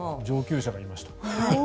上級者がいました。